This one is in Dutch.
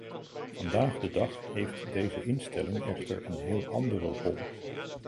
Vandaag de dag heeft deze instelling echter een heel andere rol.